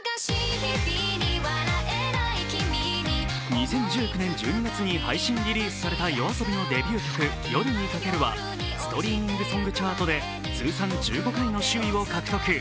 ２０１９年１２月に配信リリースされたＹＯＡＳＯＢＩのデビュー曲「夜に駆ける」はストリーミング・ソング・チャートで通算１５回の首位を獲得。